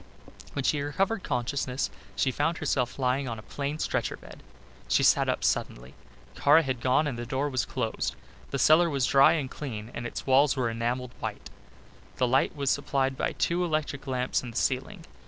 When she recovered consciousness she found herself lying on a plain stretcher bed. She sat up suddenly. Kara had gone and the door was closed. The cellar was dry and clean and its walls were enamelled white. Light was supplied by two electric lamps in the ceiling.